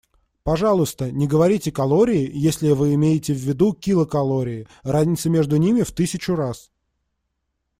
Пожалуйста, не говорите «калории», если вы имеете в виду «килокалории», разница между ними в тысячу раз.